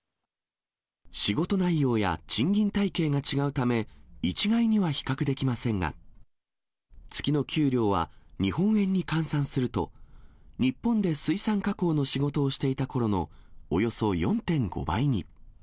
仕事内容や賃金体系が違うため、一概には比較できませんが、月の給料は日本円に換算すると、日本で水産加工の仕事をしていたころのおよそ４．５倍に。